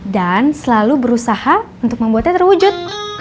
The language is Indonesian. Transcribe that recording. dan selalu berusaha untuk membuatnya terwujud